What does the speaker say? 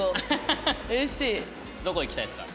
どこ行きたいですか？